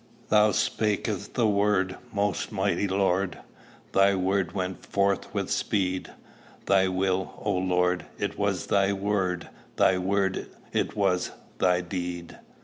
"Thou spak'st the word, most mighty Lord; Thy word went forth with speed: Thy will, O Lord, it was thy word; Thy word it was thy deed.